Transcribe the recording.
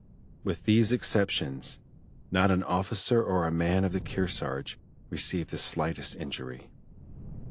With these exceptions, not an officer or a man of the Kearsarge received the slightest injury.